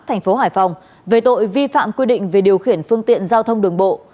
thành phố hải phòng về tội vi phạm quy định về điều khiển phương tiện giao thông đường bộ